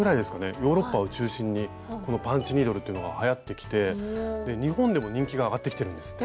ヨーロッパを中心にこのパンチニードルというのがはやってきて日本でも人気が上がってきてるんですって。